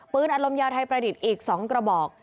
อารมณ์ยาวไทยประดิษฐ์อีก๒กระบอก